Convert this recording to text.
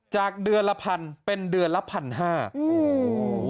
จากเดือนละ๑๐๐๐เป็นเดือนละ๑๕๐๐บาท